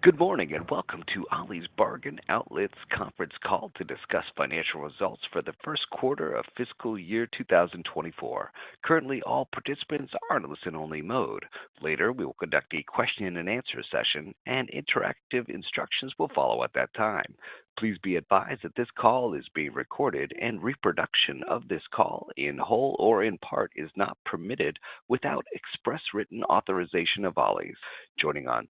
Good morning, and welcome to Ollie's Bargain Outlet conference call to discuss financial results for the Q1 of fiscal year 2024. Currently, all participants are in listen-only mode. Later, we will conduct a question and answer session, and interactive instructions will follow at that time. Please be advised that this call is being recorded, and reproduction of this call, in whole or in part, is not permitted without express written authorization of Ollie's. Joining on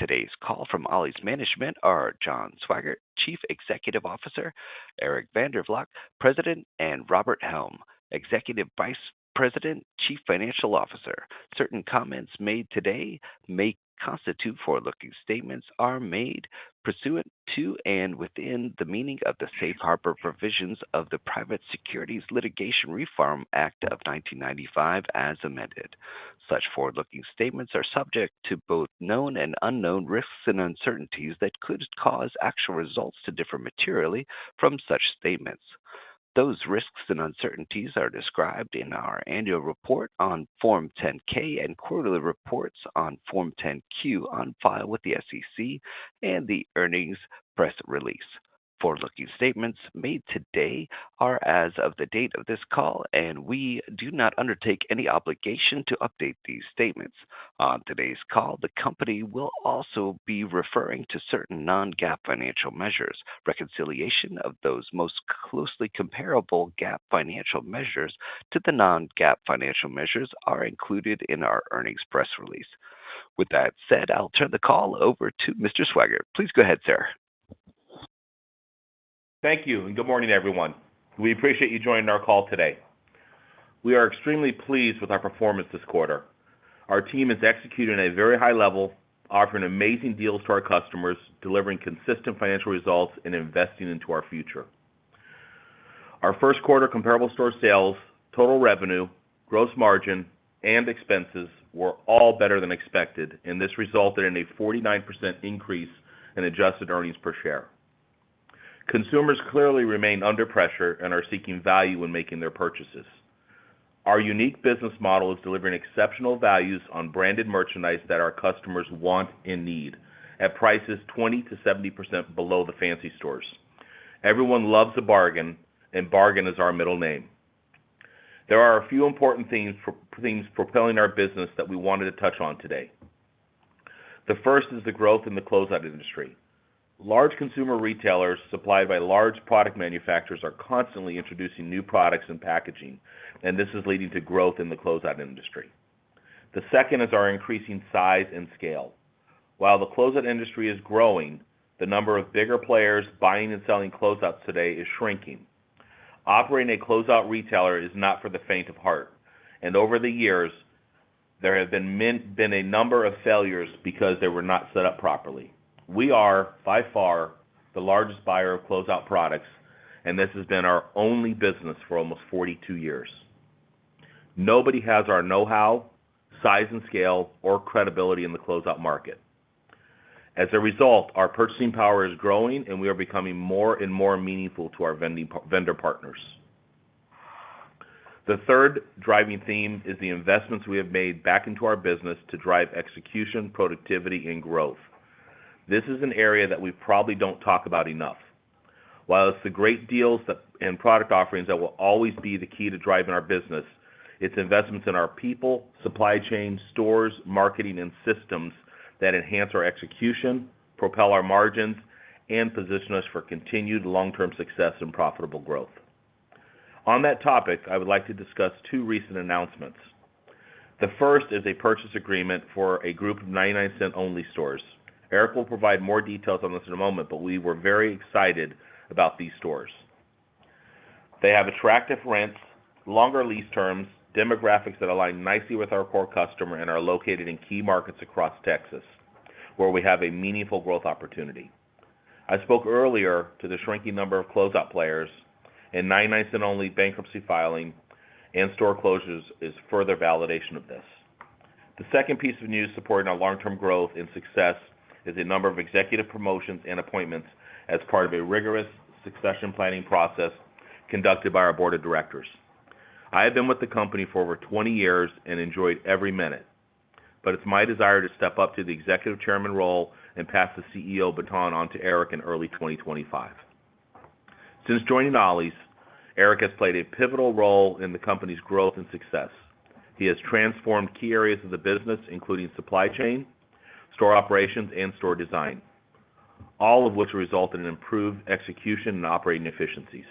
today's call from Ollie's management are John Swygert, Chief Executive Officer, Eric van der Valk, President, and Robert Helm, Executive Vice President, Chief Financial Officer. Certain comments made today may constitute forward-looking statements are made pursuant to, and within the meaning of, the safe harbor provisions of the Private Securities Litigation Reform Act of 1995, as amended. Such forward-looking statements are subject to both known and unknown risks and uncertainties that could cause actual results to differ materially from such statements. Those risks and uncertainties are described in our annual report on Form 10-K and quarterly reports on Form 10-Q on file with the SEC and the earnings press release. Forward-looking statements made today are as of the date of this call, and we do not undertake any obligation to update these statements. On today's call, the company will also be referring to certain non-GAAP financial measures. Reconciliation of those most closely comparable GAAP financial measures to the non-GAAP financial measures are included in our earnings press release. With that said, I'll turn the call over to Mr. Swygert. Please go ahead, sir. Thank you, and good morning, everyone. We appreciate you joining our call today. We are extremely pleased with our performance this quarter. Our team is executing at a very high level, offering amazing deals to our customers, delivering consistent financial results, and investing into our future. Our Q1 comparable store sales, total revenue, gross margin, and expenses were all better than expected, and this resulted in a 49% increase in adjusted earnings per share. Consumers clearly remain under pressure and are seeking value when making their purchases. Our unique business model is delivering exceptional values on branded merchandise that our customers want and need at prices 20%-70% below the fancy stores. Everyone loves a bargain, and bargain is our middle name. There are a few important things propelling our business that we wanted to touch on today. The first is the growth in the closeout industry. Large consumer retailers, supplied by large product manufacturers, are constantly introducing new products and packaging, and this is leading to growth in the closeout industry. The second is our increasing size and scale. While the closeout industry is growing, the number of bigger players buying and selling closeouts today is shrinking. Operating a closeout retailer is not for the faint of heart, and over the years, there have been a number of failures because they were not set up properly. We are, by far, the largest buyer of closeout products, and this has been our only business for almost 42 years. Nobody has our know-how, size and scale, or credibility in the closeout market. As a result, our purchasing power is growing, and we are becoming more and more meaningful to our vendor partners. The third driving theme is the investments we have made back into our business to drive execution, productivity, and growth. This is an area that we probably don't talk about enough. While it's the great deals and product offerings that will always be the key to driving our business, it's investments in our people, supply chain, stores, marketing, and systems that enhance our execution, propel our margins, and position us for continued long-term success and profitable growth. On that topic, I would like to discuss two recent announcements. The first is a purchase agreement for a group of 99 Cents Only stores. Eric will provide more details on this in a moment, but we were very excited about these stores. They have attractive rents, longer lease terms, demographics that align nicely with our core customer and are located in key markets across Texas, where we have a meaningful growth opportunity. I spoke earlier to the shrinking number of closeout players, and 99 Cents Only Stores bankruptcy filing and store closures is further validation of this. The second piece of news supporting our long-term growth and success is the number of executive promotions and appointments as part of a rigorous succession planning process conducted by our board of directors. I have been with the company for over 20 years and enjoyed every minute, but it's my desire to step up to the Executive Chairman role and pass the CEO baton on to Eric in early 2025. Since joining Ollie's, Eric has played a pivotal role in the company's growth and success. He has transformed key areas of the business, including supply chain, store operations, and store design, all of which result in improved execution and operating efficiencies.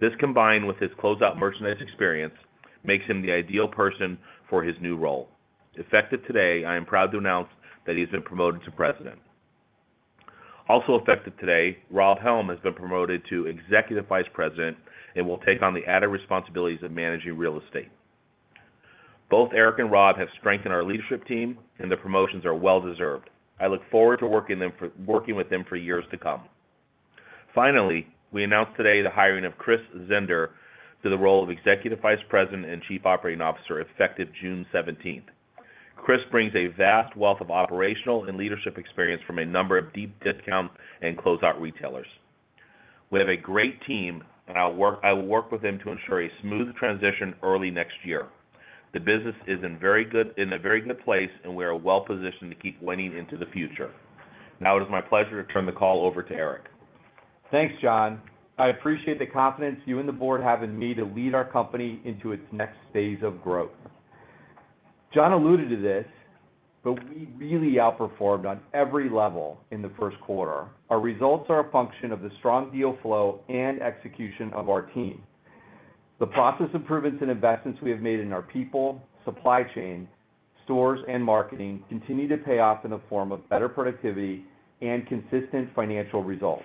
This, combined with his closeout merchandise experience, makes him the ideal person for his new role. Effective today, I am proud to announce that he's been promoted to President. Also effective today, Rob Helm has been promoted to Executive Vice President and will take on the added responsibilities of managing real estate. Both Eric and Rob have strengthened our leadership team, and their promotions are well-deserved. I look forward to working with them for years to come. Finally, we announced today the hiring of Chris Zender to the role of Executive Vice President and Chief Operating Officer, effective June seventeenth. Chris brings a vast wealth of operational and leadership experience from a number of deep discount and closeout retailers.... We have a great team, and I will work with them to ensure a smooth transition early next year. The business is in a very good place, and we are well-positioned to keep winning into the future. Now it is my pleasure to turn the call over to Eric. Thanks, John. I appreciate the confidence you and the board have in me to lead our company into its next phase of growth. John alluded to this, but we really outperformed on every level in the Q1. Our results are a function of the strong deal flow and execution of our team. The process improvements and investments we have made in our people, supply chain, stores, and marketing continue to pay off in the form of better productivity and consistent financial results.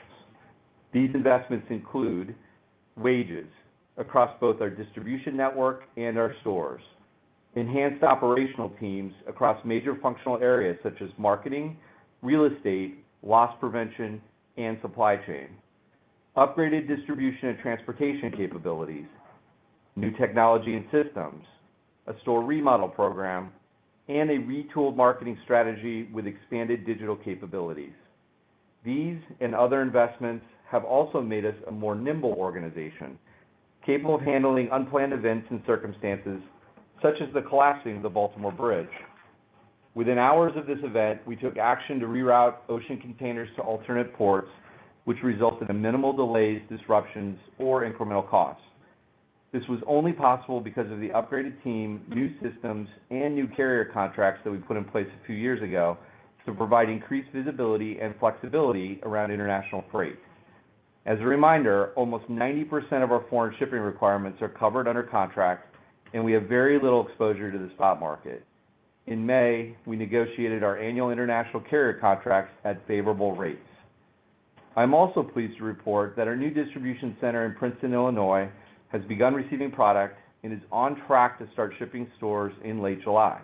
These investments include wages across both our distribution network and our stores, enhanced operational teams across major functional areas, such as marketing, real estate, loss prevention, and supply chain, upgraded distribution and transportation capabilities, new technology and systems, a store remodel program, and a retooled marketing strategy with expanded digital capabilities. These and other investments have also made us a more nimble organization, capable of handling unplanned events and circumstances, such as the collapsing of the Key Bridge. Within hours of this event, we took action to reroute ocean containers to alternate ports, which resulted in minimal delays, disruptions, or incremental costs. This was only possible because of the upgraded team, new systems, and new carrier contracts that we put in place a few years ago to provide increased visibility and flexibility around international freight. As a reminder, almost 90% of our foreign shipping requirements are covered under contract, and we have very little exposure to the spot market. In May, we negotiated our annual international carrier contracts at favorable rates. I'm also pleased to report that our new distribution center in Princeton, Illinois, has begun receiving product and is on track to start shipping stores in late July.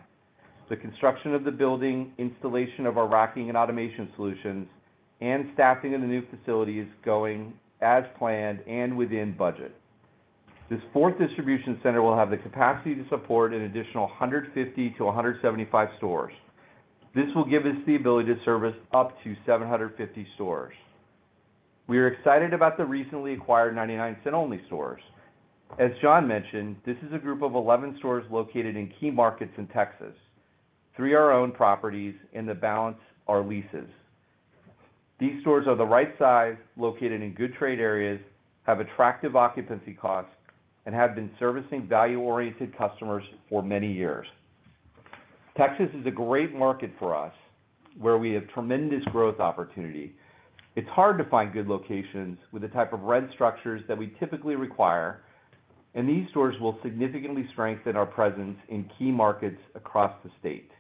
The construction of the building, installation of our racking and automation solutions, and staffing in the new facility is going as planned and within budget. This fourth distribution center will have the capacity to support an additional 150-175 stores. This will give us the ability to service up to 750 stores. We are excited about the recently acquired 99 Cents Only Stores. As John mentioned, this is a group of 11 stores located in key markets in Texas. Three are our own properties, and the balance are leases. These stores are the right size, located in good trade areas, have attractive occupancy costs, and have been servicing value-oriented customers for many years. Texas is a great market for us, where we have tremendous growth opportunity. It's hard to find good locations with the type of rent structures that we typically require, and these stores will significantly strengthen our presence in key markets across the state.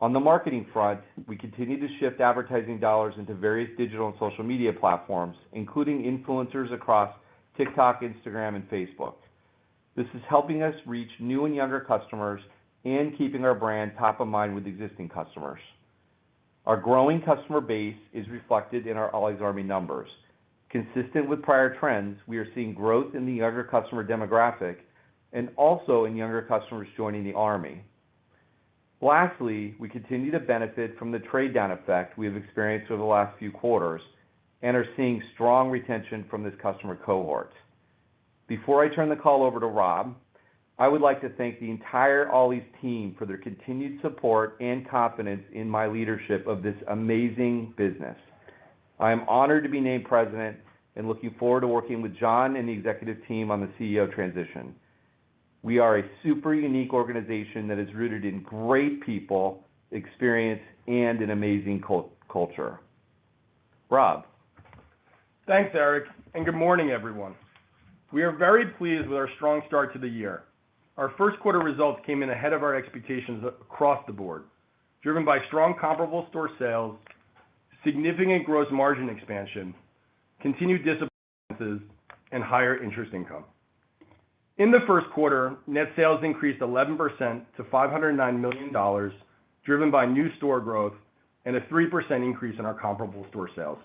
On the marketing front, we continue to shift advertising dollars into various digital and social media platforms, including influencers across TikTok, Instagram, and Facebook. This is helping us reach new and younger customers and keeping our brand top of mind with existing customers. Our growing customer base is reflected in our Ollie's Army numbers. Consistent with prior trends, we are seeing growth in the younger customer demographic and also in younger customers joining the Army. Lastly, we continue to benefit from the trade-down effect we have experienced over the last few quarters and are seeing strong retention from this customer cohort. Before I turn the call over to Rob, I would like to thank the entire Ollie's team for their continued support and confidence in my leadership of this amazing business. I am honored to be named president and looking forward to working with John and the executive team on the CEO transition. We are a super unique organization that is rooted in great people, experience, and an amazing culture. Rob? Thanks, Eric, and good morning, everyone. We are very pleased with our strong start to the year. Our Q1 results came in ahead of our expectations across the board, driven by strong comparable store sales, significant gross margin expansion, continued discipline, and higher interest income. In the Q1, net sales increased 11% to $509 million, driven by new store growth and a 3% increase in our comparable store sales.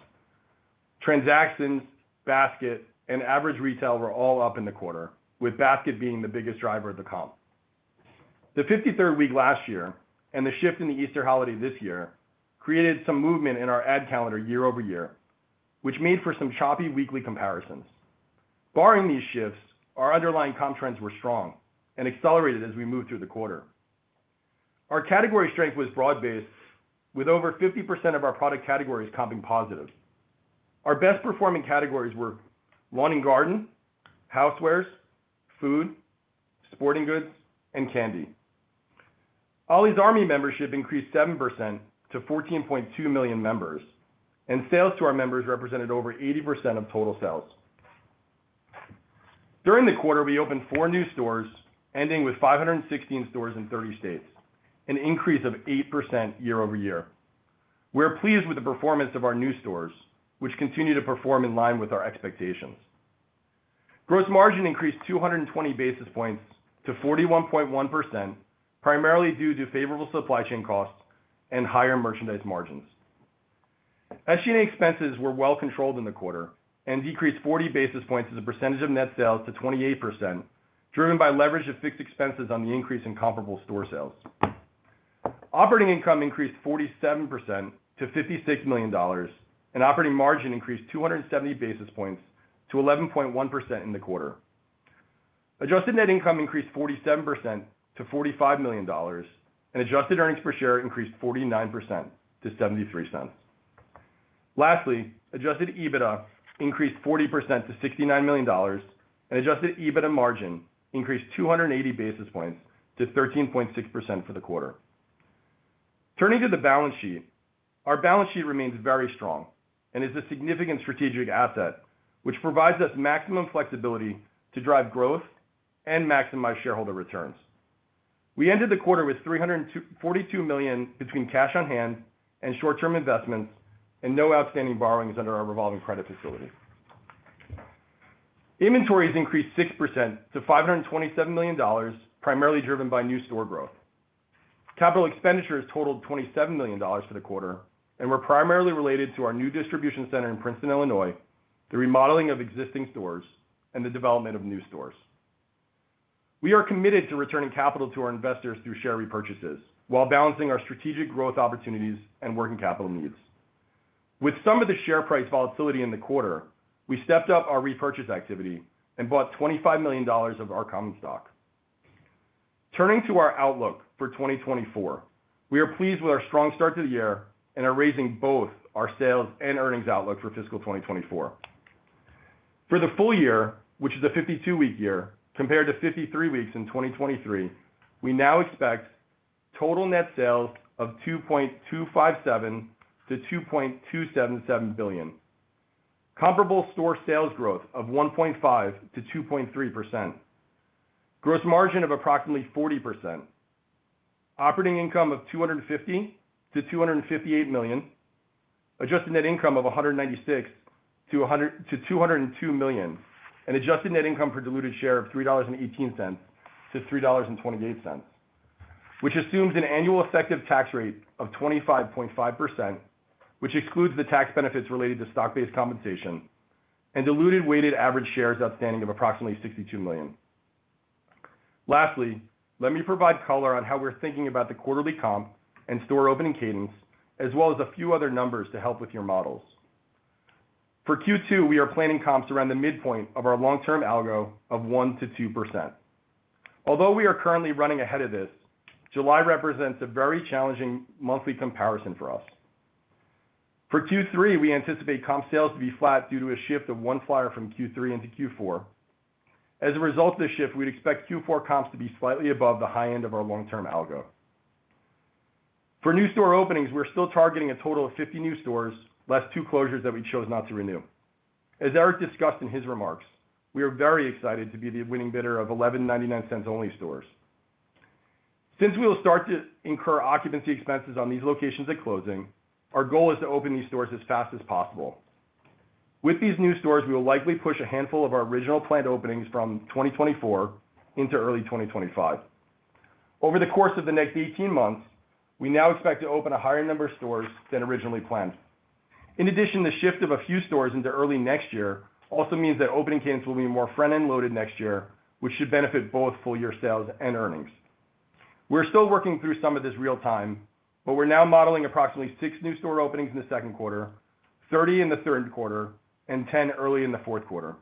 Transactions, basket, and average retail were all up in the quarter, with basket being the biggest driver of the comp. The 53rd week last year and the shift in the Easter holiday this year created some movement in our ad calendar year-over-year, which made for some choppy weekly comparisons. Barring these shifts, our underlying comp trends were strong and accelerated as we moved through the quarter. Our category strength was broad-based, with over 50% of our product categories comping positive. Our best performing categories were lawn and garden, housewares, food, sporting goods, and candy. Ollie's Army membership increased 7% to 14.2 million members, and sales to our members represented over 80% of total sales. During the quarter, we opened 4 new stores, ending with 516 stores in 30 states, an increase of 8% year-over-year. We are pleased with the performance of our new stores, which continue to perform in line with our expectations. Gross margin increased 220 basis points to 41.1%, primarily due to favorable supply chain costs and higher merchandise margins. SG&A expenses were well controlled in the quarter and decreased 40 basis points as a percentage of net sales to 28%, driven by leverage of fixed expenses on the increase in comparable store sales. Operating income increased 47% to $56 million, and operating margin increased 270 basis points to 11.1% in the quarter. Adjusted net income increased 47% to $45 million, and adjusted earnings per share increased 49% to $0.73. Lastly, adjusted EBITDA increased 40% to $69 million, and adjusted EBITDA margin increased 280 basis points to 13.6% for the quarter. Turning to the balance sheet, our balance sheet remains very strong and is a significant strategic asset, which provides us maximum flexibility to drive growth and maximize shareholder returns. We ended the quarter with $342 million between cash on hand and short-term investments and no outstanding borrowings under our revolving credit facility. Inventories increased 6% to $527 million, primarily driven by new store growth. Capital expenditures totaled $27 million for the quarter and were primarily related to our new distribution center in Princeton, Illinois, the remodeling of existing stores, and the development of new stores. We are committed to returning capital to our investors through share repurchases while balancing our strategic growth opportunities and working capital needs. With some of the share price volatility in the quarter, we stepped up our repurchase activity and bought $25 million of our common stock. Turning to our outlook for 2024, we are pleased with our strong start to the year and are raising both our sales and earnings outlook for fiscal 2024. For the full year, which is a 52-week year compared to 53 weeks in 2023, we now expect total net sales of $2.257 billion-$2.277 billion, comparable store sales growth of 1.5%-2.3%, gross margin of approximately 40%, operating income of $250 million-$258 million, adjusted net income of $196 million-$202 million, and adjusted net income per diluted share of $3.18-$3.28, which assumes an annual effective tax rate of 25.5%, which excludes the tax benefits related to stock-based compensation and diluted weighted average shares outstanding of approximately 62 million. Lastly, let me provide color on how we're thinking about the quarterly comp and store opening cadence, as well as a few other numbers to help with your models. For Q2, we are planning comps around the midpoint of our long-term algo of 1%-2%. Although we are currently running ahead of this, July represents a very challenging monthly comparison for us. For Q3, we anticipate comp sales to be flat due to a shift of one flyer from Q3 into Q4. As a result of this shift, we'd expect Q4 comps to be slightly above the high end of our long-term algo. For new store openings, we're still targeting a total of 50 new stores, less 2 closures that we chose not to renew. As Eric discussed in his remarks, we are very excited to be the winning bidder of 11 99 Cents Only stores. Since we will start to incur occupancy expenses on these locations at closing, our goal is to open these stores as fast as possible. With these new stores, we will likely push a handful of our original planned openings from 2024 into early 2025. Over the course of the next 18 months, we now expect to open a higher number of stores than originally planned. In addition, the shift of a few stores into early next year also means that opening cadence will be more front-end loaded next year, which should benefit both full year sales and earnings. We're still working through some of this real time, but we're now modeling approximately six new store openings in the Q2, 30 in the Q3, and 10 early in the Q4.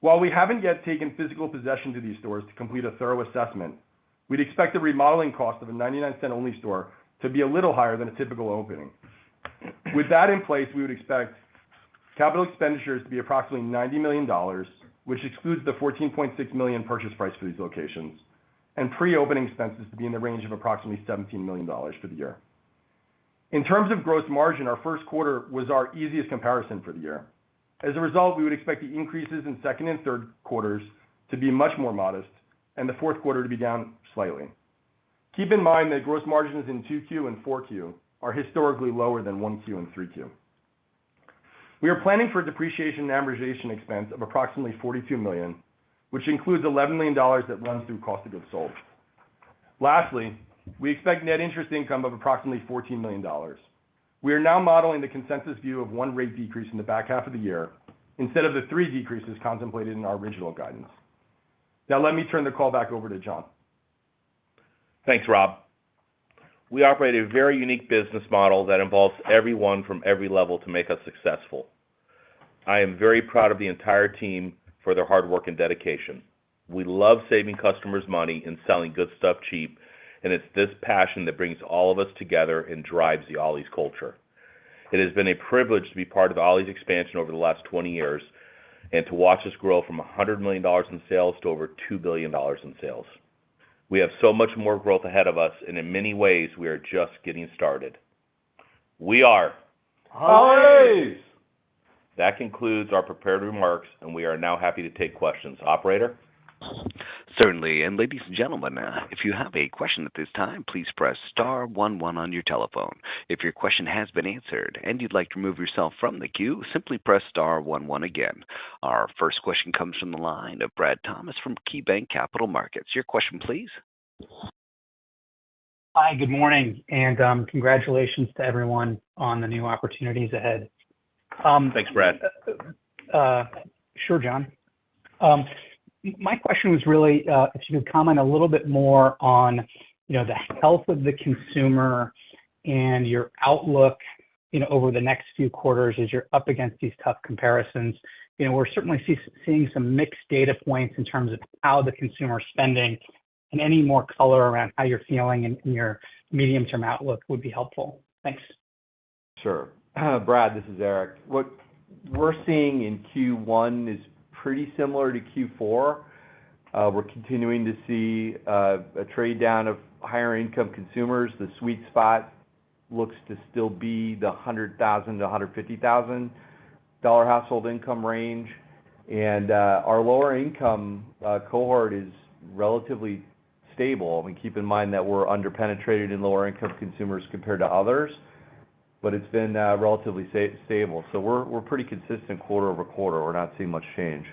While we haven't yet taken physical possession to these stores to complete a thorough assessment, we'd expect the remodeling cost of a 99 Cents Only store to be a little higher than a typical opening. With that in place, we would expect capital expenditures to be approximately $90 million, which excludes the $14.6 million purchase price for these locations, and pre-opening expenses to be in the range of approximately $17 million for the year. In terms of gross margin, our Q1 was our easiest comparison for the year. As a result, we would expect the increases in second and Q3 to be much more modest and the Q4 to be down slightly. Keep in mind that gross margins in Q2 and Q4 are historically lower than Q1 and Q3. We are planning for depreciation and amortization expense of approximately $42 million, which includes $11 million that runs through cost of goods sold. Lastly, we expect net interest income of approximately $14 million. We are now modeling the consensus view of one rate decrease in the back half of the year instead of the three decreases contemplated in our original guidance. Now, let me turn the call back over to John. Thanks, Rob. We operate a very unique business model that involves everyone from every level to make us successful. I am very proud of the entire team for their hard work and dedication. We love saving customers money and selling good stuff cheap, and it's this passion that brings all of us together and drives the Ollie's culture. It has been a privilege to be part of the Ollie's expansion over the last 20 years, and to watch us grow from $100 million in sales to over $2 billion in sales. We have so much more growth ahead of us, and in many ways, we are just getting started. We are? Ollie's! That concludes our prepared remarks, and we are now happy to take questions. Operator? Certainly. And ladies and gentlemen, if you have a question at this time, please press star one one on your telephone. If your question has been answered and you'd like to remove yourself from the queue, simply press star one one again. Our first question comes from the line of Brad Thomas from KeyBanc Capital Markets. Your question, please. Hi, good morning, and congratulations to everyone on the new opportunities ahead. Thanks, Brad. Sure, John. My question was really, if you could comment a little bit more on, you know, the health of the consumer and your outlook, you know, over the next few quarters as you're up against these tough comparisons. You know, we're certainly seeing some mixed data points in terms of how the consumer spending, and any more color around how you're feeling in your medium-term outlook would be helpful. Thanks. Sure. Brad, this is Eric. What we're seeing in Q1 is pretty similar to Q4. We're continuing to see a trade down of higher income consumers. The sweet spot looks to still be the $100,000-$150,000 household income range. And our lower income cohort is relatively stable. And keep in mind that we're under-penetrated in lower income consumers compared to others, but it's been relatively stable. So we're pretty consistent quarter-over-quarter. We're not seeing much change.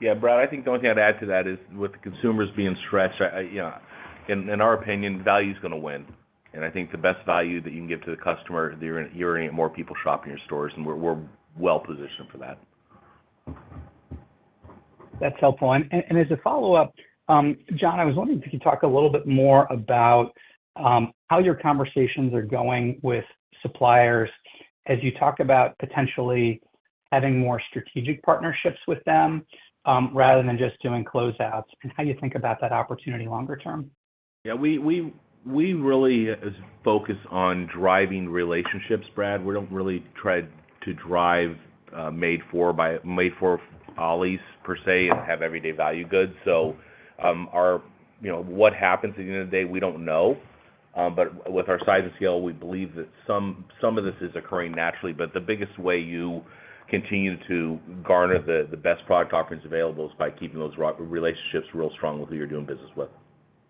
Yeah, Brad, I think the only thing I'd add to that is, with the consumers being stretched, I—you know, in our opinion, value's gonna win. And I think the best value that you can give to the customer, you're gonna get more people shopping in your stores, and we're well positioned for that. That's helpful. And as a follow-up, John, I was wondering if you could talk a little bit more about how your conversations are going with suppliers as you talk about potentially having more strategic partnerships with them, rather than just doing closeouts, and how you think about that opportunity longer term. Yeah, we really is focused on driving relationships, Brad. We don't really try to drive made for Ollie's, per se, and have everyday value goods. So, our you know what happens at the end of the day? We don't know, but with our size and scale, we believe that some of this is occurring naturally. But the biggest way you continue to garner the best product offerings available is by keeping those relationships real strong with who you're doing business with.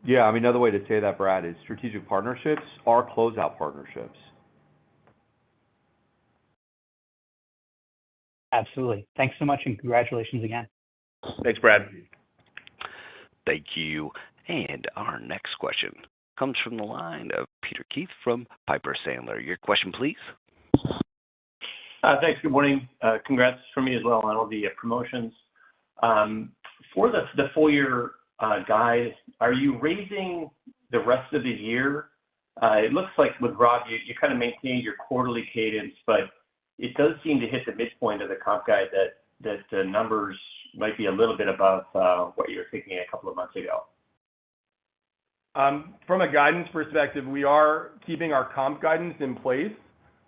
Yeah, I mean, another way to say that, Brad, is strategic partnerships are closeout partnerships. Absolutely. Thanks so much, and congratulations again. Thanks, Brad. Thank you. Our next question comes from the line of Peter Keith from Piper Sandler. Your question, please. Thanks. Good morning. Congrats from me as well on all the promotions. For the full year guide, are you raising the rest of the year? It looks like with Rob, you kind of maintained your quarterly cadence, but it does seem to hit the midpoint of the comp guide that the numbers might be a little bit above what you were thinking a couple of months ago. From a guidance perspective, we are keeping our comp guidance in place,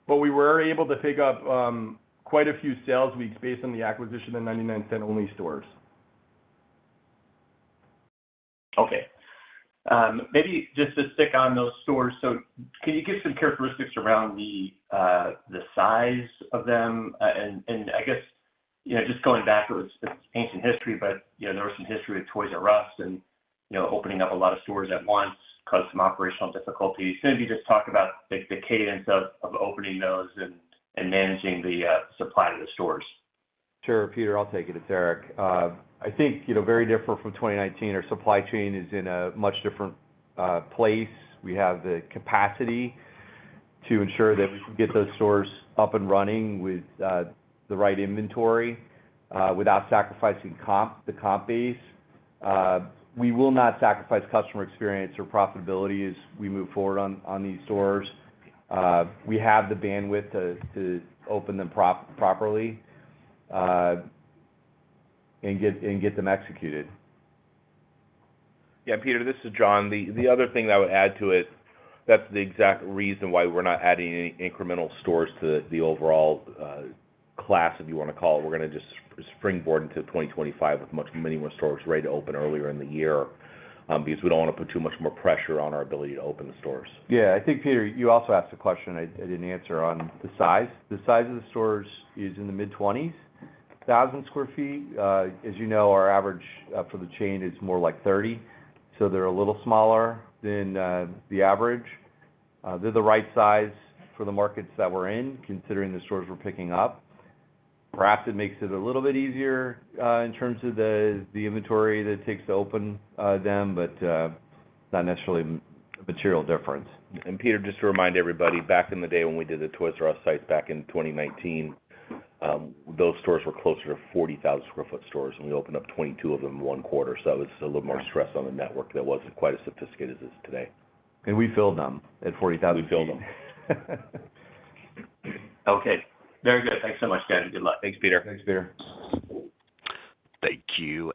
but we were able to pick up quite a few sales weeks based on the acquisition of 99 Cents Only Stores. Okay. Maybe just to stick on those stores, so can you give some characteristics around the size of them? And I guess, you know, just going back, it was ancient history, but, you know, there was some history with Toys "R" Us and, you know, opening up a lot of stores at once caused some operational difficulties. Can you just talk about the cadence of opening those and managing the supply to the stores? Sure, Peter, I'll take it. It's Eric. I think, you know, very different from 2019, our supply chain is in a much different place. We have the capacity to ensure that we can get those stores up and running with the right inventory without sacrificing comp, the comp base. We will not sacrifice customer experience or profitability as we move forward on these stores. We have the bandwidth to open them properly and get them executed. Yeah, Peter, this is John. The other thing that I would add to it, that's the exact reason why we're not adding any incremental stores to the overall class, if you wanna call it. We're gonna just springboard into 2025 with many more stores ready to open earlier in the year, because we don't wanna put too much more pressure on our ability to open the stores. Yeah. I think, Peter, you also asked a question I didn't answer on the size. The size of the stores is in the mid-20,000 sq ft. As you know, our average for the chain is more like 30,000, so they're a little smaller than the average. They're the right size for the markets that we're in, considering the stores we're picking up. Perhaps it makes it a little bit easier in terms of the inventory that it takes to open them, but not necessarily a material difference. Peter, just to remind everybody, back in the day when we did the Toys "R" Us sites back in 2019, those stores were closer to 40,000 sq ft stores, and we opened up 22 of them in Q1. So it's a little more stress on the network that wasn't quite as sophisticated as it is today. We filled them at 40,000 feet. We filled them. Okay. Very good. Thanks so much, guys. Good luck. Thanks, Peter. Thanks, Peter. Thank you.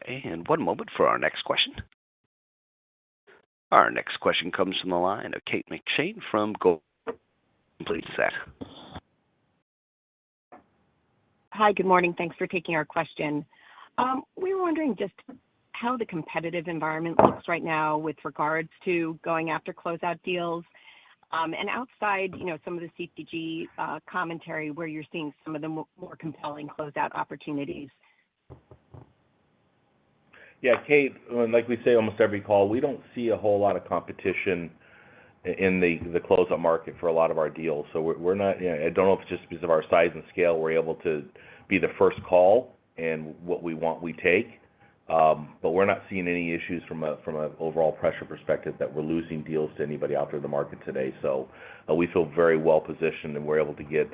One moment for our next question. Our next question comes from the line of Kate McShane from Goldman Sachs. Hi, good morning. Thanks for taking our question. We were wondering just how the competitive environment looks right now with regards to going after closeout deals, and outside, you know, some of the CPG commentary, where you're seeing some of the more compelling closeout opportunities? Yeah, Kate, like we say, almost every call, we don't see a whole lot of competition in the closeout market for a lot of our deals. So we're not... Yeah, I don't know if it's just because of our size and scale, we're able to be the first call, and what we want, we take. But we're not seeing any issues from an overall pressure perspective that we're losing deals to anybody out there in the market today. So we feel very well positioned, and we're able to get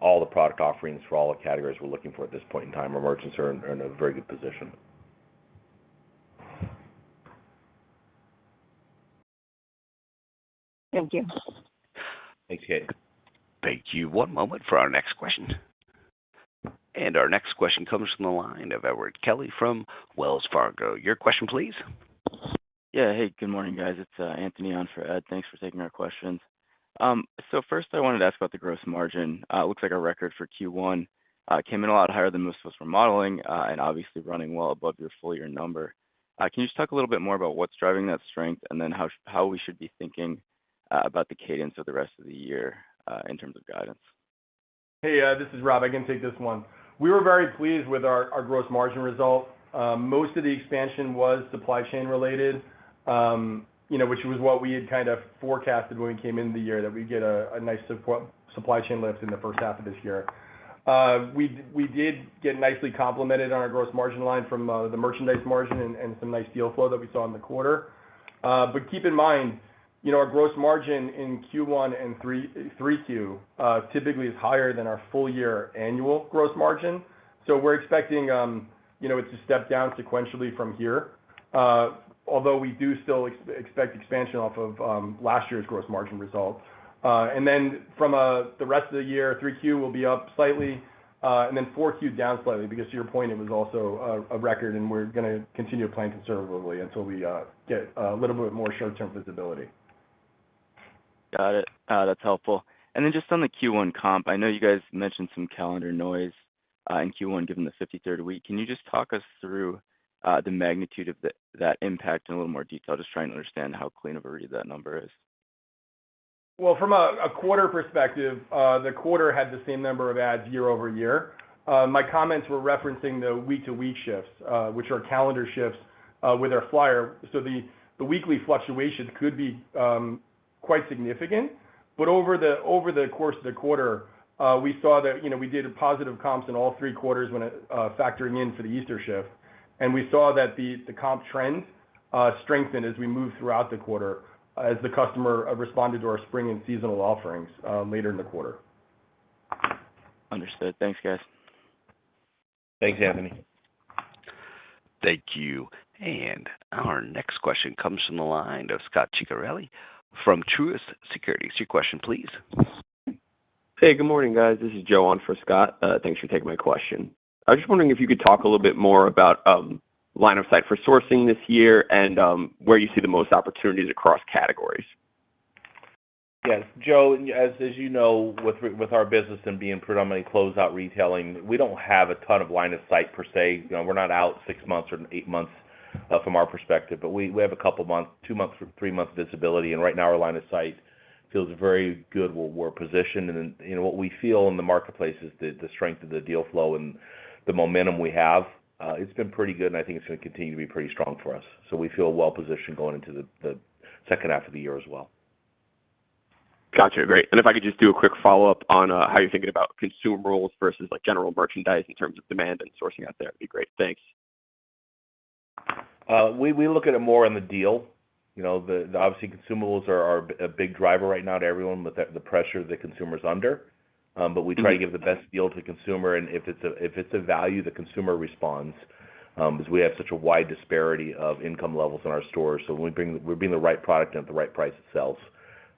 all the product offerings for all the categories we're looking for at this point in time. Our merchants are in a very good position. Thank you. Thanks, Kate. Thank you. One moment for our next question. Our next question comes from the line of Edward Kelly from Wells Fargo. Your question, please? Yeah. Hey, good morning, guys. It's Anthony on for Ed. Thanks for taking our questions. So first, I wanted to ask about the gross margin. It looks like a record for Q1 came in a lot higher than most of us were modeling, and obviously running well above your full year number. Can you just talk a little bit more about what's driving that strength, and then how we should be thinking about the cadence of the rest of the year in terms of guidance? Hey, this is Rob. I can take this one. We were very pleased with our gross margin result. Most of the expansion was supply chain related, you know, which was what we had kind of forecasted when we came into the year, that we'd get a nice supply chain lift in the first half of this year. We did get nicely complimented on our gross margin line from the merchandise margin and some nice deal flow that we saw in the quarter. But keep in mind, you know, our gross margin in Q1 and 3Q typically is higher than our full year annual gross margin. So we're expecting, you know, it to step down sequentially from here, although we do still expect expansion off of last year's gross margin result. And then from the rest of the year, 3Q will be up slightly, and then 4Q down slightly, because to your point, it was also a record, and we're gonna continue planning conservatively until we get a little bit more short-term visibility. Got it. That's helpful. And then just on the Q1 comp, I know you guys mentioned some calendar noise in Q1, given the 53rd week. Can you just talk us through the magnitude of that impact in a little more detail? Just trying to understand how clean of a read that number is. Well, from a quarter perspective, the quarter had the same number of ads year-over-year. My comments were referencing the week-to-week shifts, which are calendar shifts, with our flyer. So the weekly fluctuation could be quite significant, but over the course of the quarter, we saw that, you know, we did a positive comps in all Q3 when factoring in for the Easter shift. And we saw that the comp trends strengthened as we moved throughout the quarter, as the customer responded to our spring and seasonal offerings later in the quarter. Understood. Thanks, guys. Thanks, Anthony. Thank you. Our next question comes from the line of Scot Ciccarelli from Truist Securities. Your question, please. Hey, good morning, guys. This is Joe on for Scot. Thanks for taking my question. I was just wondering if you could talk a little bit more about line of sight for sourcing this year and where you see the most opportunities across categories. Yes, Joe, as you know, with our business and being predominantly closeout retailing, we don't have a ton of line of sight per se. You know, we're not out 6 months or 8 months from our perspective, but we have a couple of months, 2 months or 3 months visibility, and right now our line of sight feels very good with where we're positioned. And, you know, what we feel in the marketplace is the strength of the deal flow and the momentum we have, it's been pretty good, and I think it's going to continue to be pretty strong for us. So we feel well positioned going into the second half of the year as well. Got you. Great. And if I could just do a quick follow-up on how you're thinking about consumables versus, like, general merchandise in terms of demand and sourcing out there? That'd be great. Thanks. We look at it more on the deal. You know, the obviously, consumables are a big driver right now to everyone with the pressure the consumer's under. But we try to give the best deal to the consumer, and if it's a value, the consumer responds, because we have such a wide disparity of income levels in our stores. So when we're bringing the right product at the right price, it sells.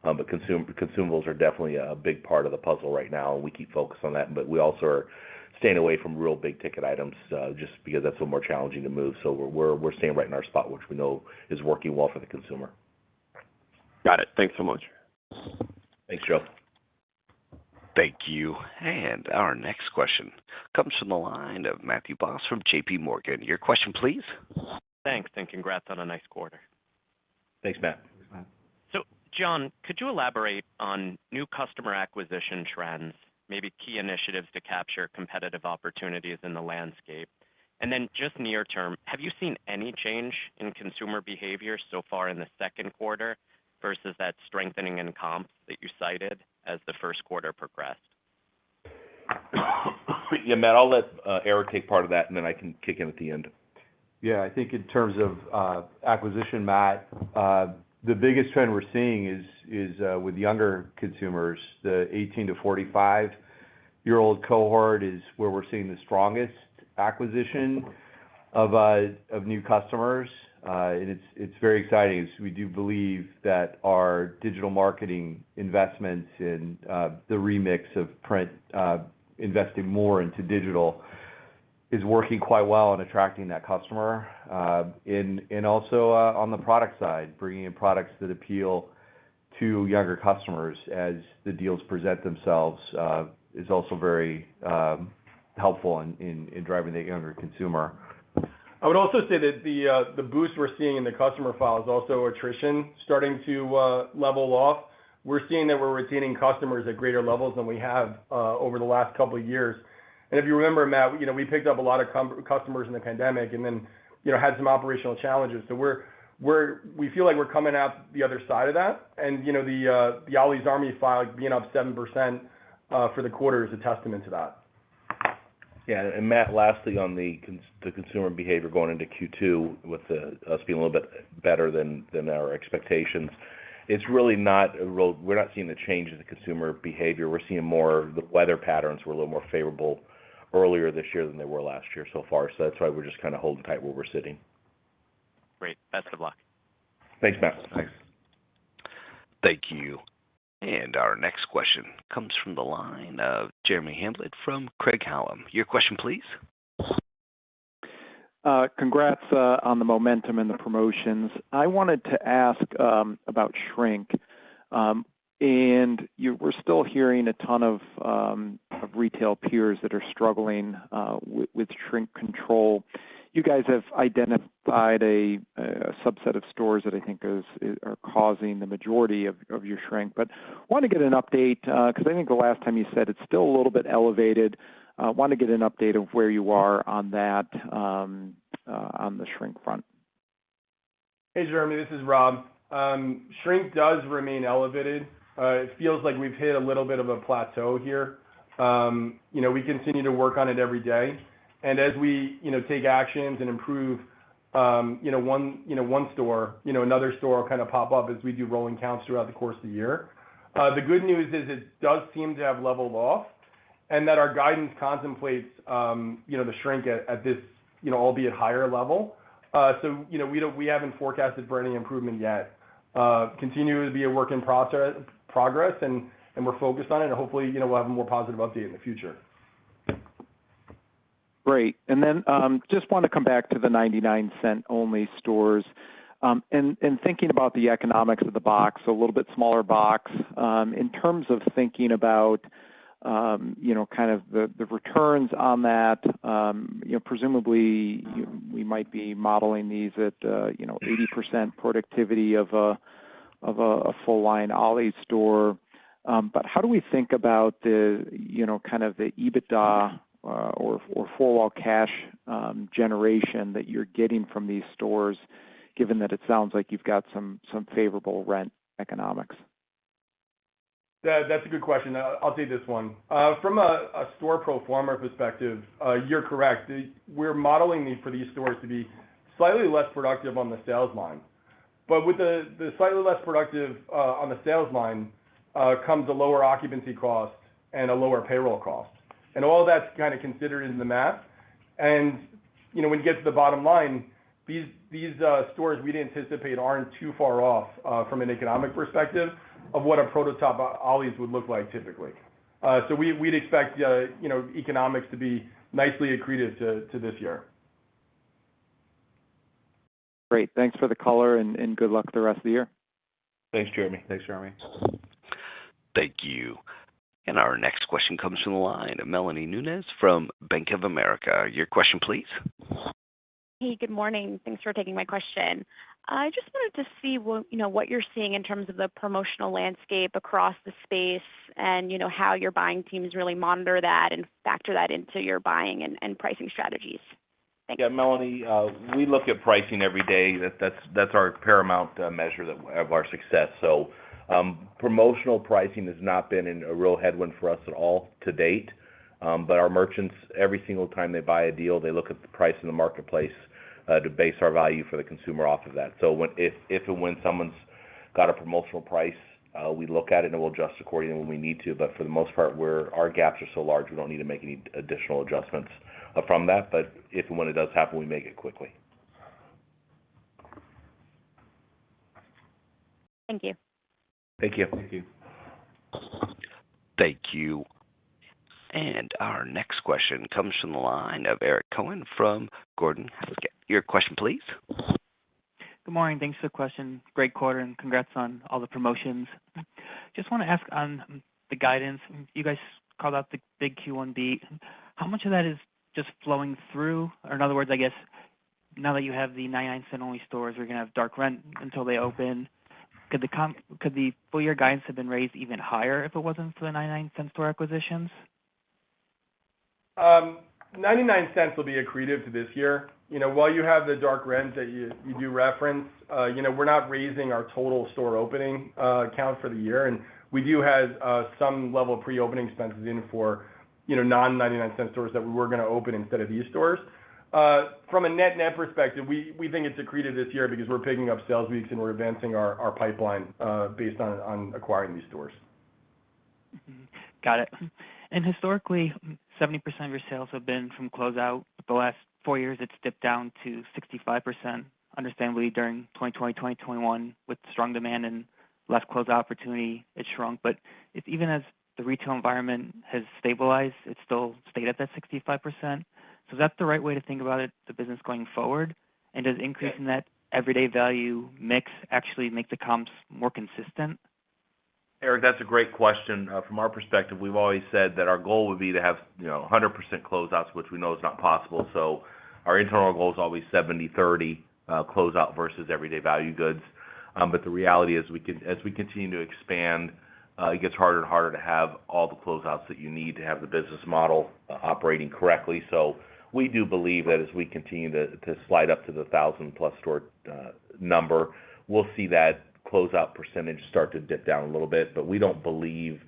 But consumables are definitely a big part of the puzzle right now, and we keep focused on that. But we also are staying away from real big-ticket items, just because that's more challenging to move. So we're staying right in our spot, which we know is working well for the consumer. Got it. Thanks so much. Thanks, Joe. Thank you. Our next question comes from the line of Matthew Boss from J.P. Morgan. Your question, please. Thanks, and congrats on a nice quarter. Thanks, Matt. So John, could you elaborate on new customer acquisition trends, maybe key initiatives to capture competitive opportunities in the landscape? And then just near term, have you seen any change in consumer behavior so far in the Q2 versus that strengthening in comps that you cited as the Q1 progressed? Yeah, Matt, I'll let Eric take part of that, and then I can kick in at the end. Yeah, I think in terms of acquisition, Matt, the biggest trend we're seeing is with younger consumers. The 18-45-year-old cohort is where we're seeing the strongest acquisition of new customers. And it's very exciting. So we do believe that our digital marketing investments and the remix of print, investing more into digital is working quite well in attracting that customer. And also, on the product side, bringing in products that appeal to younger customers as the deals present themselves is also very helpful in driving the younger consumer. I would also say that the boost we're seeing in the customer file is also attrition starting to level off. We're seeing that we're retaining customers at greater levels than we have over the last couple of years. And if you remember, Matt, you know, we picked up a lot of customers in the pandemic and then, you know, had some operational challenges. So we're. We feel like we're coming out the other side of that. And, you know, the Ollie's Army file being up 7%.... for the quarter is a testament to that. Yeah, and Matt, lastly, on the consumer behavior going into Q2 with us feeling a little bit better than our expectations. It's really not a real. We're not seeing the change in the consumer behavior. We're seeing more, the weather patterns were a little more favorable earlier this year than they were last year so far. So that's why we're just kinda holding tight where we're sitting. Great. Best of luck. Thanks, Matt. Thanks. Thank you. Our next question comes from the line of Jeremy Hamblin from Craig-Hallum. Your question, please. Congrats on the momentum and the promotions. I wanted to ask about shrink. We're still hearing a ton of retail peers that are struggling with shrink control. You guys have identified a subset of stores that I think are causing the majority of your shrink. But wanna get an update 'cause I think the last time you said it's still a little bit elevated. Wanna get an update of where you are on that on the shrink front. Hey, Jeremy, this is Rob. Shrink does remain elevated. It feels like we've hit a little bit of a plateau here. You know, we continue to work on it every day, and as we, you know, take actions and improve, you know, one store, you know, another store will kind of pop up as we do rolling counts throughout the course of the year. The good news is, it does seem to have leveled off, and that our guidance contemplates, you know, the shrink at this, you know, albeit higher level. So, you know, we don't. We haven't forecasted for any improvement yet. Continue to be a work in progress, and we're focused on it, and hopefully, you know, we'll have a more positive update in the future. Great. And then, just wanna come back to the 99 Cents Only Stores. And thinking about the economics of the box, a little bit smaller box, in terms of thinking about, you know, kind of the returns on that, you know, presumably, we might be modeling these at, you know, 80% productivity of a full line Ollie's store. But how do we think about the, you know, kind of the EBITDA, or four wall cash generation that you're getting from these stores, given that it sounds like you've got some favorable rent economics? That, that's a good question. I'll, I'll take this one. From a store pro forma perspective, you're correct. We're modeling these for these stores to be slightly less productive on the sales line. But with the slightly less productive on the sales line comes a lower occupancy cost and a lower payroll cost, and all that's kinda considered in the math. And, you know, when you get to the bottom line, these stores we'd anticipate aren't too far off from an economic perspective of what a prototype Ollie's would look like, typically. So we'd expect, you know, economics to be nicely accretive to this year. Great. Thanks for the color and good luck the rest of the year. Thanks, Jeremy. Thanks, Jeremy. Thank you. And our next question comes from the line of Melanie Nunez from Bank of America. Your question, please. Hey, good morning. Thanks for taking my question. I just wanted to see what, you know, what you're seeing in terms of the promotional landscape across the space and, you know, how your buying teams really monitor that and factor that into your buying and pricing strategies. Thank you. Yeah, Melanie, we look at pricing every day. That's our paramount measure of our success. So, promotional pricing has not been a real headwind for us at all to date. But our merchants, every single time they buy a deal, they look at the price in the marketplace to base our value for the consumer off of that. So if and when someone's got a promotional price, we look at it, and we'll adjust accordingly when we need to. But for the most part, we're our gaps are so large, we don't need to make any additional adjustments from that. But if and when it does happen, we make it quickly. Thank you. Thank you. Thank you. Thank you. And our next question comes from the line of Eric Cohen from Gordon Haskett. Your question, please. Good morning. Thanks for the question. Great quarter, and congrats on all the promotions. Just wanna ask on the guidance. You guys called out the big Q1 beat. How much of that is just flowing through? Or in other words, I guess, now that you have the 99 Cents Only Stores, you're gonna have dark rent until they open. Could the full year guidance have been raised even higher if it wasn't for the 99 Cents Only Stores acquisitions? 99 Cents will be accretive to this year. You know, while you have the dark rents that you, you do reference, you know, we're not raising our total store opening count for the year, and we do have some level of pre-opening expenses in for, you know, non-99 Cents stores that we were gonna open instead of these stores. From a net-net perspective, we, we think it's accreted this year because we're picking up sales weeks, and we're advancing our, our pipeline based on, on acquiring these stores. Mm-hmm. Got it. And historically, 70% of your sales have been from closeout. The last 4 years, it's dipped down to 65%. Understandably, during 2020, 2021, with strong demand and less closeout opportunity, it shrunk. But even as the retail environment has stabilized, it's still stayed at that 65%. So is that the right way to think about it, the business going forward? And does increasing that everyday value mix actually make the comps more consistent? Eric, that's a great question. From our perspective, we've always said that our goal would be to have, you know, 100% closeouts, which we know is not possible. So our internal goal is always 70/30, closeout versus everyday value goods. But the reality is, we can, as we continue to expand, it gets harder and harder to have all the closeouts that you need to have the business model operating correctly. So we do believe that as we continue to, to slide up to the 1,000+ store, number, we'll see that closeout percentage start to dip down a little bit, but we don't believe,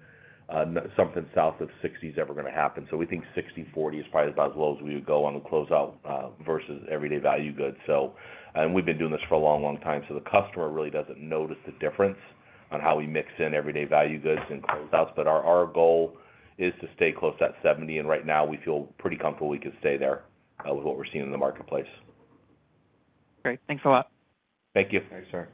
something south of 60 is ever gonna happen. So we think 60/40 is probably about as low as we would go on a closeout, versus everyday value goods. So... We've been doing this for a long, long time, so the customer really doesn't notice the difference.... on how we mix in everyday value goods and closeouts. But our goal is to stay close to that 70, and right now, we feel pretty comfortable we can stay there with what we're seeing in the marketplace. Great. Thanks a lot. Thank you. Thanks, sir.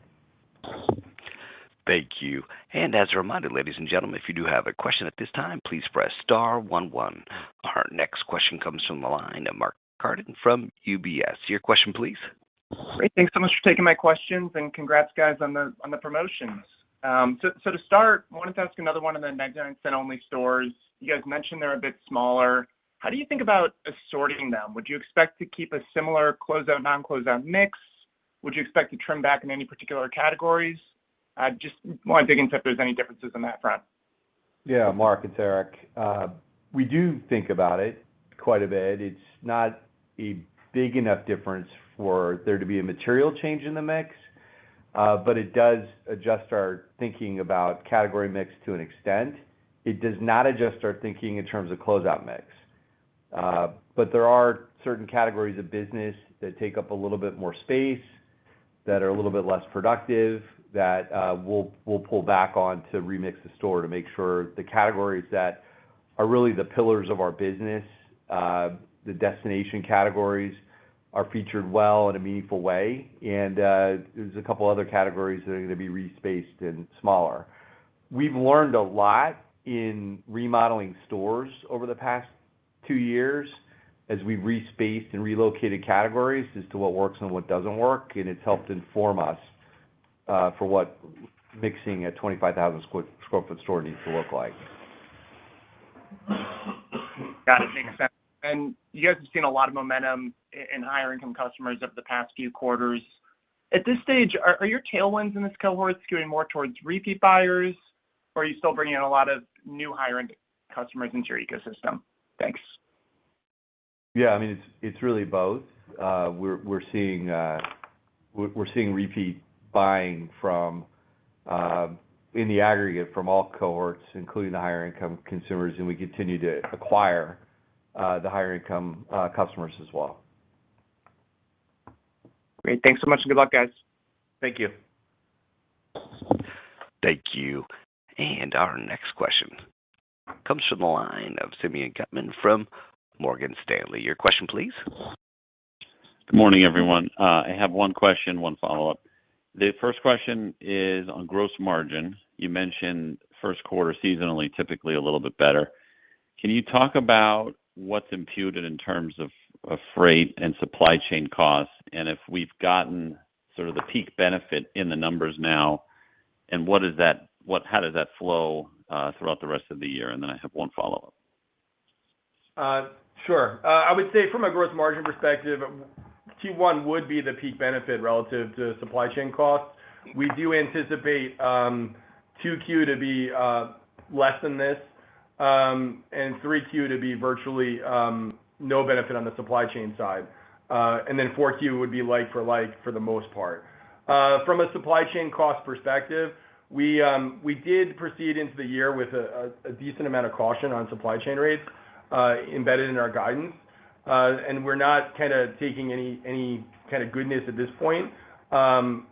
Thank you. As a reminder, ladies and gentlemen, if you do have a question at this time, please press star one, one. Our next question comes from the line of Mark Carden from UBS. Your question, please? Great. Thanks so much for taking my questions, and congrats, guys, on the, on the promotions. So, so to start, I wanted to ask another one on the 99 Cents Only Stores. You guys mentioned they're a bit smaller. How do you think about assorting them? Would you expect to keep a similar closeout, non-closeout mix? Would you expect to trim back in any particular categories? Just wanna dig into if there's any differences on that front. Yeah, Mark, it's Eric. We do think about it quite a bit. It's not a big enough difference for there to be a material change in the mix, but it does adjust our thinking about category mix to an extent. It does not adjust our thinking in terms of closeout mix. But there are certain categories of business that take up a little bit more space, that are a little bit less productive, that we'll pull back on to remix the store to make sure the categories that are really the pillars of our business, the destination categories, are featured well in a meaningful way. And there's a couple other categories that are gonna be respaced and smaller. We've learned a lot in remodeling stores over the past two years as we've respaced and relocated categories as to what works and what doesn't work, and it's helped inform us for what mixing a 25,000 sq ft store needs to look like. Got it. Makes sense. And you guys have seen a lot of momentum in higher income customers over the past few quarters. At this stage, are your tailwinds in this cohort skewing more towards repeat buyers, or are you still bringing in a lot of new higher end customers into your ecosystem? Thanks. Yeah, I mean, it's really both. We're seeing repeat buying from, in the aggregate, from all cohorts, including the higher income consumers, and we continue to acquire the higher income customers as well. Great. Thanks so much, and good luck, guys. Thank you. Thank you. Our next question comes from the line of Simeon Gutman from Morgan Stanley. Your question, please? Good morning, everyone. I have one question, one follow-up. The first question is on gross margin. You mentioned Q1 seasonally, typically a little bit better. Can you talk about what's imputed in terms of freight and supply chain costs, and if we've gotten sort of the peak benefit in the numbers now, and how does that flow throughout the rest of the year? And then I have one follow-up. Sure. I would say from a gross margin perspective, Q1 would be the peak benefit relative to supply chain costs. We do anticipate Q2 to be less than this, and Q3 to be virtually no benefit on the supply chain side. And then Q4 would be like for like, for the most part. From a supply chain cost perspective, we did proceed into the year with a decent amount of caution on supply chain rates embedded in our guidance. And we're not kind of taking any kind of goodness at this point,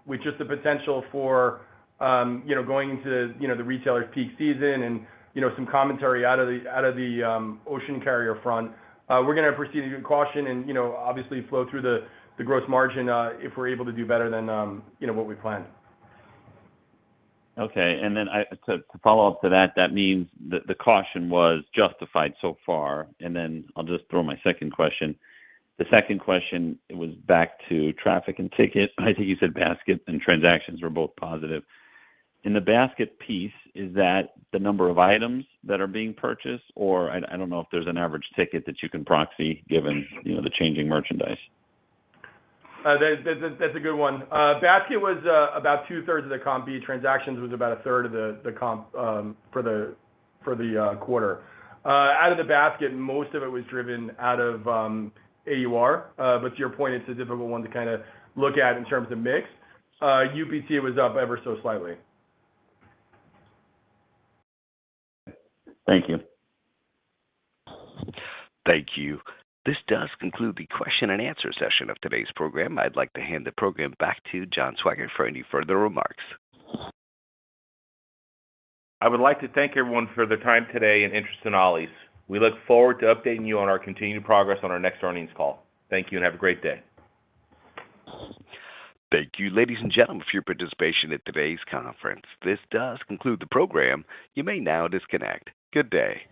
with just the potential for you know, going into you know, the retailer's peak season and you know, some commentary out of the out of the ocean carrier front. We're gonna proceed with caution and, you know, obviously, flow through the, the gross margin, if we're able to do better than, you know, what we planned. Okay. And then to follow up to that, that means that the caution was justified so far. And then I'll just throw my second question. The second question was back to traffic and ticket. I think you said basket and transactions were both positive. In the basket piece, is that the number of items that are being purchased, or I don't know if there's an average ticket that you can proxy given, you know, the changing merchandise? That's a good one. Basket was about two-thirds of the comp, transactions was about a third of the comp for the quarter. Out of the basket, most of it was driven out of AUR. But to your point, it's a difficult one to kind of look at in terms of mix. UPC was up ever so slightly. Thank you. Thank you. This does conclude the question and answer session of today's program. I'd like to hand the program back to John Swygert for any further remarks. I would like to thank everyone for their time today and interest in Ollie's. We look forward to updating you on our continuing progress on our next earnings call. Thank you, and have a great day. Thank you, ladies and gentlemen, for your participation in today's conference. This does conclude the program. You may now disconnect. Good day.